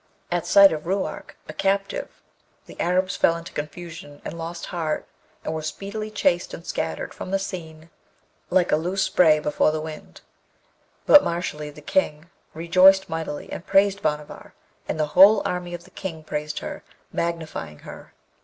At sight of Ruark a captive the Arabs fell into confusion, and lost heart, and were speedily chased and scattered from the scene like a loose spray before the wind; but Mashalleed the King rejoiced mightily and praised Bhanavar, and the whole army of the King praised her, magnifying her.